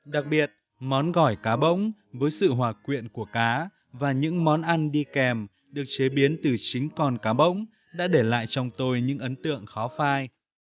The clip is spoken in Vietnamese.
đặc biệt món gỏi cá bỗng với sự hòa quyện của cá và những món ăn đi kèm được chế biến từ chính con cá bỗng đã để lại trong tôi những ấn tượng khó phai